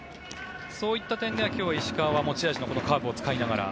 そういった点では今日は石川は持ち味のカーブを使いながら。